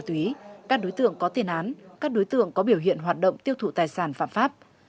các đối tượng có tiền án các đối tượng có biểu hiện hoạt động tiêu thụ tài sản phạm pháp